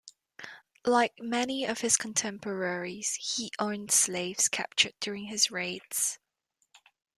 Like many of his contemporaries, he owned slaves captured during his raids.